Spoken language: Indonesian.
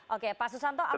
oke pak susanto apakah